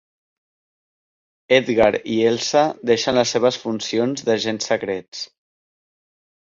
Edgar i Elsa deixen les seves funcions d'agents secrets.